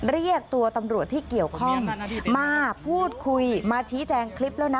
เรียกตัวตำรวจที่เกี่ยวข้องมาพูดคุยมาชี้แจงคลิปแล้วนะ